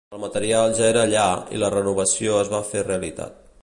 El material ja era allà i la renovació es va fer realitat.